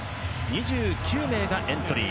２９名がエントリー。